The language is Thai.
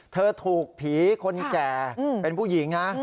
เธอถูกผีคนแก่เป็นผู้หญิงนะ